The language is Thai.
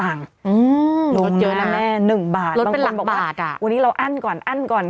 อืมลดเยอะนะแน่๑บาทบางคนบอกว่าวันนี้เราอั้นก่อนอั้นก่อน